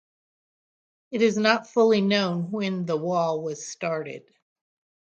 It is not fully known when the 'wall' was started.